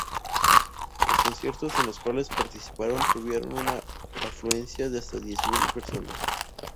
Los conciertos en los cuales participaron tuvieron una afluencia de hasta diez mil personas.